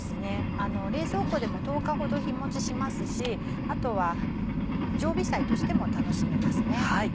冷蔵庫でも１０日ほど日持ちしますしあとは常備菜としても楽しめますね。